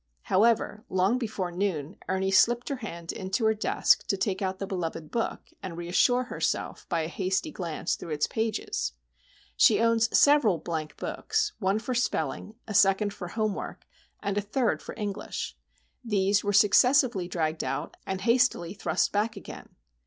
However, long before noon, Ernie slipped her hand into her desk to take out the beloved book, and reassure herself by a hasty glance through its pages. She owns several blank books; one for spelling, a second for "home work," and a third for English. These were successively dragged out, and hastily thrust back again.